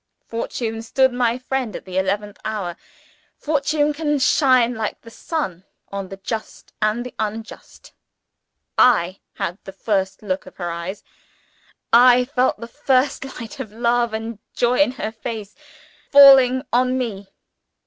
Fortune stood my friend at the eleventh hour; fortune can shine, like the sun, on the just and the unjust! I had the first look of her eyes! I felt the first light of love and joy in her face falling on _me!